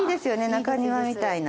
中庭みたいな。